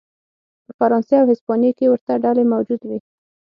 په فرانسې او هسپانیې کې ورته ډلې موجود وې.